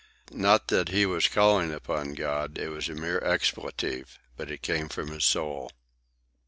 Not that he was calling upon God; it was a mere expletive, but it came from his soul.